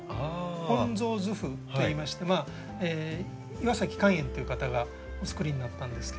「本草図譜」といいまして岩崎灌園という方がお作りになったんですけど。